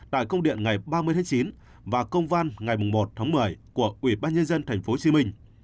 tại công điện ngày ba mươi chín và công văn ngày một một mươi của ủy ban nhân dân tp hcm